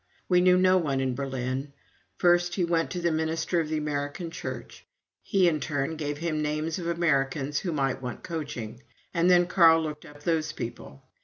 We knew no one in Berlin. First he went to the minister of the American church; he in turn gave him names of Americans who might want coaching, and then Carl looked up those people.